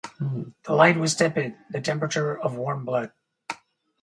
The light was tepid, the temperature of warm blood.